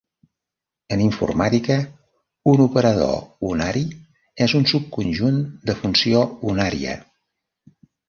En informàtica, un operador unari es un subconjunt de funció unària.